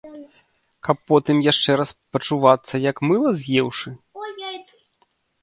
Каб потым яшчэ раз пачувацца як мыла з'еўшы?